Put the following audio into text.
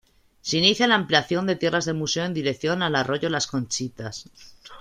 Se inicia la ampliación de tierras del museo en dirección al arroyo Las Conchitas.